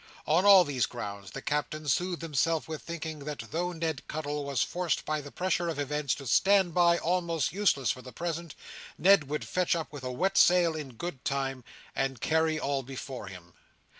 On all these grounds the Captain soothed himself with thinking that though Ned Cuttle was forced by the pressure of events to "stand by" almost useless for the present, Ned would fetch up with a wet sail in good time, and carry all before him.